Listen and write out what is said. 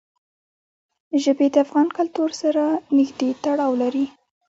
ژبې د افغان کلتور سره نږدې تړاو لري.